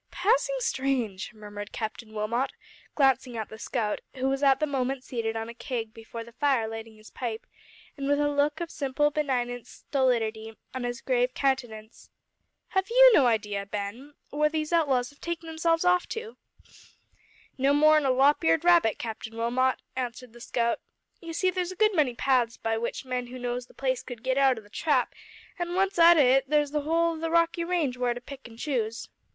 "Passing strange!" murmured Captain Wilmot, glancing at the scout, who was at the moment seated on a keg before the fire lighting his pipe, and with a look of simple benignant stolidity on his grave countenance. "Have you no idea, Ben, where these outlaws have taken themselves off to?" "No more'n a lop eared rabbit, Captain Wilmot," answered the scout. "You see there's a good many paths by which men who knows the place could git out o' the Trap, an' once out o' it there's the whole o' the Rockie range where to pick an' choose."